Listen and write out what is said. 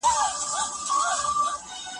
د غلام پښتون په توره خپل پښتون په وینو سور دی